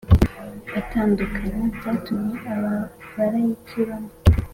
atandukanye, byatumye abalayiki bamwe